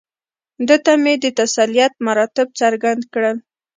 ده ته مې د تسلیت مراتب څرګند کړل.